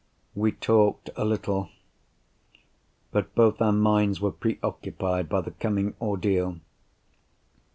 We talked a little; but both our minds were preoccupied by the coming ordeal.